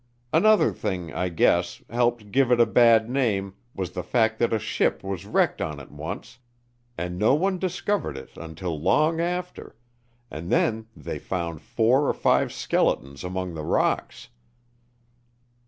Another thing, I guess, helped give it a bad name was the fact that a ship was wrecked on it once, and no one discovered it until long after, and then they found four or five skeletons among the rocks.